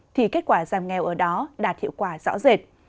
thì kết quả giảm nghèo ở đó đạt hiệu quả rõ rệt